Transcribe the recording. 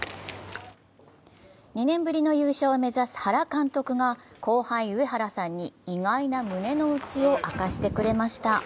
２年ぶりの優勝を目指す原監督が後輩・上原さんに意外な胸のうちを明かしてくれました。